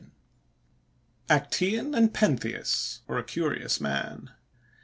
—ACTEON AND PENTHEUS, OR A CURIOUS MAN.